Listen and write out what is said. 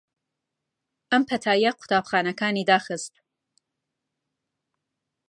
ئەم پەتایە قوتابخانەکانی داخست